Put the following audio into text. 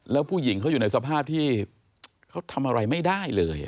แล้วผู้หญิงเขาอยู่ในสภาพที่เขาทำอะไรไม่ได้เลย